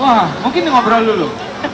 wah mungkin di ngobrol dulu